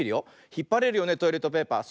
ひっぱれるよねトイレットペーパー。